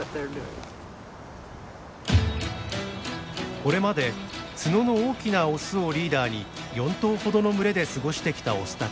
これまで角の大きなオスをリーダーに４頭ほどの群れで過ごしてきたオスたち。